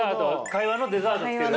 会話のデザートつける？